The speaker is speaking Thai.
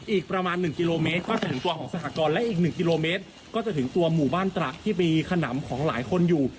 อีกประมาณ๑กิโลเมตรก็จะถึงตัวของสหกรณ์และอีก๑กิโลเมตรก็จะถึงตัวหมู่บ้านตระที่มีขนำของหลายคนอยู่